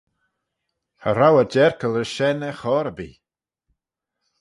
Cha row eh jerkal rish shen er chor erbee!